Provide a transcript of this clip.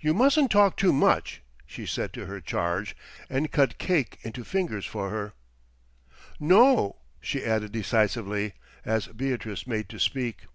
"You mustn't talk too much," she said to her charge, and cut cake into fingers for her. "No," she added decisively, as Beatrice made to speak.